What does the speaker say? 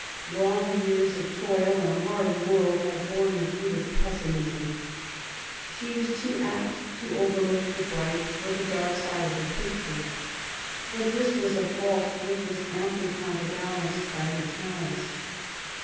Long years of toil in a hard world had borne the fruit of pessimism. She was too apt to overlook the bright for the dark side of a picture. But this was a fault which was amply counterbalanced by her talents.